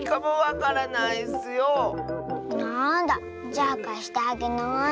じゃあかしてあげない。